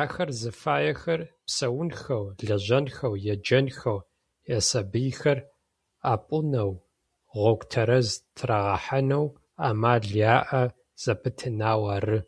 Ахэр зыфаехэр псэунхэу, лэжьэнхэу, еджэнхэу, ясабыйхэр апӏунэу, гъогу тэрэз тырагъэхьанэу амал яӏэ зэпытынэу ары.